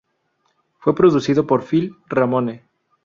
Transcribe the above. Fue producido por Phil Ramone.